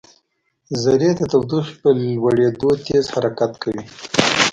ذرې د تودوخې په لوړېدو تېز حرکت کوي.